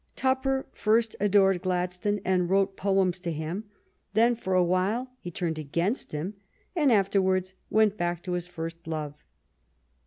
Tupper first adored Glad stone and wrote poems to him, then for a while he turned against him, and afterwards went back to his first love.